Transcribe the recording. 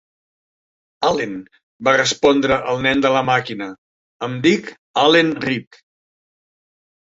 Allen —va respondre el nen de la màquina—, em dic Allen Read.